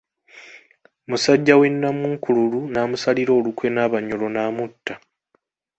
Musajja we Nnamunkululu n'amusalira olukwe n'Abanyoro n'amutta.